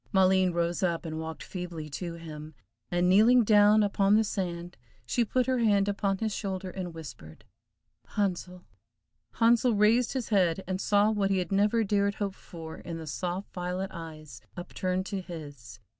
Maleen rose up, and walked feebly to him, and kneeling down upon the sand, she put her hand upon his shoulder, and whispered "Handsel!" Handsel raised his head, and saw what he had never dared hope for, in the soft violet eyes upturned to his.